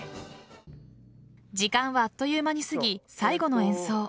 時間はあっという間に過ぎ最後の演奏。